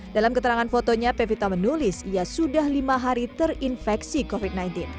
dalam keterangan fotonya pevita menulis ia sudah lima hari terinfeksi covid sembilan belas